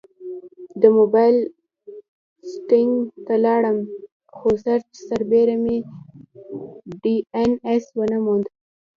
د مبایل سیټینګ ته لاړم، خو سرچ سربیره مې ډي این ایس ونه موند